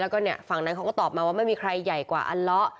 แล้วก็เนี่ยฝั่งนั้นเขาก็ตอบมาว่าไม่มีใครใหญ่กว่าอัลเลาะ